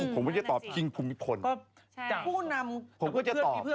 ผมก็จะตอบคิงภูมิคนผมก็จะตอบ